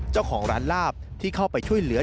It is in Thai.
เจ้าของร้านลาบที่เข้าไปช่วยเหลือ